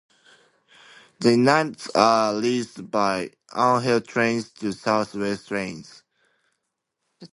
The units are leased by Angel Trains to South West Trains.